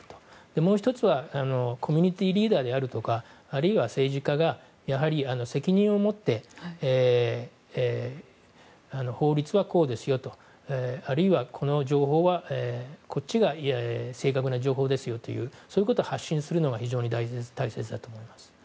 もう１つはコミュニティーリーダーだとかあるいは政治家が責任を持って法律はこうですよとあるいは、この情報はこっちが正確な情報ですよというそういうことを発信するのが非常に大切だと思います。